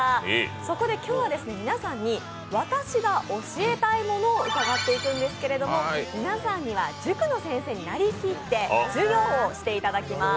そこで今日は皆さんに私が教えたいものを伺っていくんですけども、皆さんには塾の先生になりきって授業をしていただきます。